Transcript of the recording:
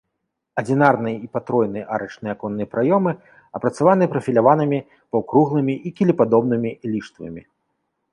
Адзінарныя і патройныя арачныя аконныя праёмы апрацаваны прафіляванымі паўкруглымі і кілепадобнымі ліштвамі.